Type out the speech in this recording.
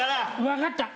分かった。